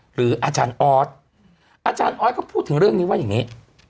หรืออาจารย์ออสอาจารย์ออสก็พูดถึงเรื่องนี้ว่าอย่างนี้